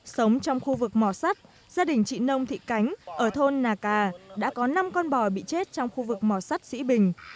sống trong khu vực mỏ sắt gia đình chị nông thị cánh ở thôn nà cà đã có năm con bò bị chết trong khu vực mỏ sắt sĩ bình